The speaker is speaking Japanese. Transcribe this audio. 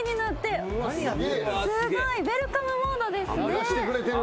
すごいウエルカムモードですね。